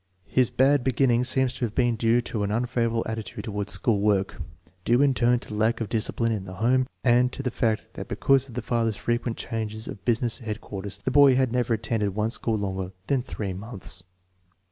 His had beginning seemed to have been due to an unfavorable attitude toward school work, due in turn to laek of discipline in the home, and to the fact that because of the father's frequent change of business headquarters the boy had Clever attended one school longer than three months.